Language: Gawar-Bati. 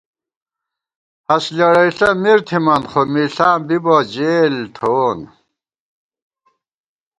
ہست لېڑَئیݪہ مِر تھِمان خو مِݪاں بِبہ جېل، تھووون